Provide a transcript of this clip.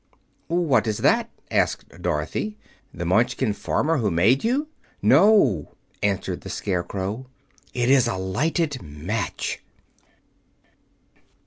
"What is that?" asked Dorothy; "the Munchkin farmer who made you?" "No," answered the Scarecrow; "it's a lighted match."